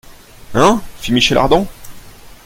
Hein ! fit Michel Ardan.